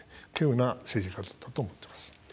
稀有な政治家だったと思ってます。